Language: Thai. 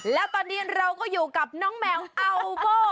แล้วตอนนี้เราก็อยู่กับน้องแมวอัลโบ